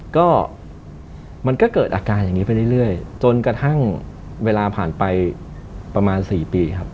ก็มันก็เกิดอาการอย่างนี้ไปเรื่อยจนกระทั่งเวลาผ่านไปประมาณ๔ปีครับ